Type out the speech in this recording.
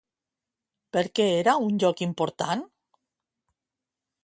Per què era un lloc important?